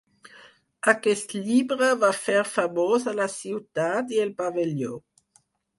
Aquest llibre va fer famosa la ciutat i el pavelló.